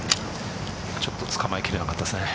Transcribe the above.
ちょっと捕まえきれなかったですね。